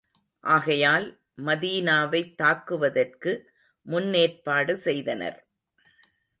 ஆகையால், மதீனாவைத் தாக்குவதற்கு முன்னேற்பாடு செய்தனர்.